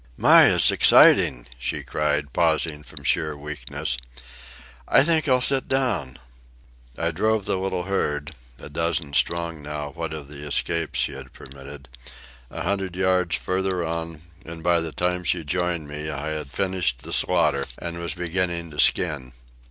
"My, it's exciting!" she cried, pausing from sheer weakness. "I think I'll sit down." I drove the little herd (a dozen strong, now, what of the escapes she had permitted) a hundred yards farther on; and by the time she joined me I had finished the slaughter and was beginning to skin.